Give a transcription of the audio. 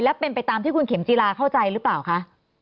และเป็นไปตามที่คุณเข็มจีราเข้าใจหรือเปล่าคะ